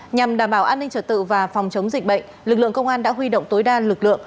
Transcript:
nhằm đảm bảo an ninh trật tự và phòng chống dịch bệnh lực lượng công an đã huy động tối đa lực lượng